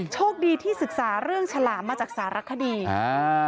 โชคดีที่ศึกษาเรื่องฉลามมาจากสารคดีอ่า